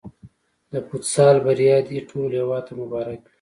د فوتسال بریا دې ټول هېواد ته مبارک وي.